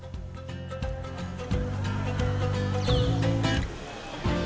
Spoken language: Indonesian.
kedepannya pemain fisial timika akan mencari pemain dari daerah lain